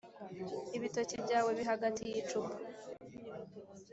ibitoki byawe bihagatiye icupa